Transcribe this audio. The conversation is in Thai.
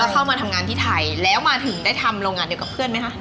เข้ามาทำงานที่ไทยแล้วมาถึงได้ทำโรงงานเดียวกับเพื่อนไหมคะ